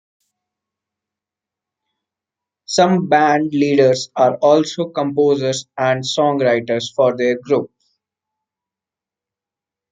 Some bandleaders are also composers and songwriters for their group.